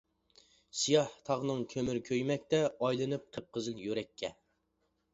سىياھ تاغنىڭ كۆمۈرى كۆيمەكتە، ئايلىنىپ قىپقىزىل يۈرەككە.